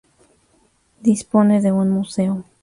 Dispone de un museo.